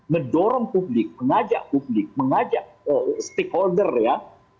mendorong publik mengajak publik mengajak stakeholder ya